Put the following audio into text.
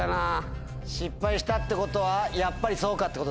「失敗した」ってことはやっぱりそうかってことですか。